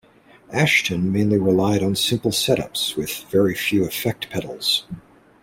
Asheton mainly relied on simple setups with very few effect pedals.